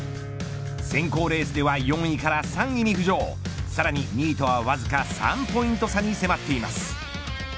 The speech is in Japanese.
選考レースでは４位から３位に浮上さらに、２位とはわずか３ポイント差に迫っています。